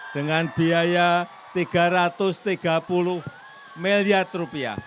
dengan biaya rp tiga ratus tiga puluh miliar